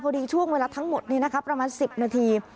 พอดีช่วงเวลาทั้งหมดนี่นะครับประมาณสิบนาที